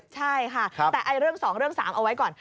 ใช่ค่ะแต่เรื่อง๒เรื่อง๓เอาไว้ก่อน